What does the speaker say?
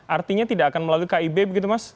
artinya tidak akan melalui kib begitu mas